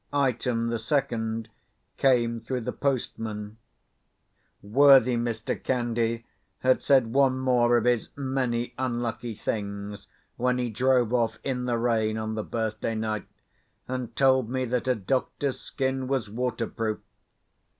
Item the second came through the postman. Worthy Mr. Candy had said one more of his many unlucky things, when he drove off in the rain on the birthday night, and told me that a doctor's skin was waterproof.